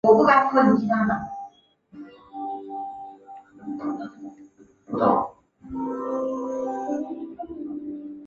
赖斯接受布里斯班圣彼得斯游泳学校的教练米高保尔的训练。